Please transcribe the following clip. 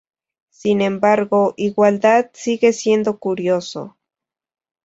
Sin embargo, Igualdad sigue siendo curioso.